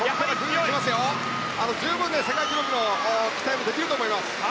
十分世界記録の期待もできると思います。